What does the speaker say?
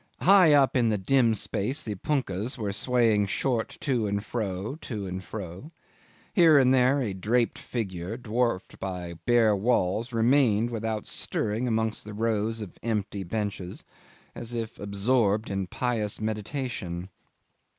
High up in the dim space the punkahs were swaying short to and fro, to and fro. Here and there a draped figure, dwarfed by the bare walls, remained without stirring amongst the rows of empty benches, as if absorbed in pious meditation.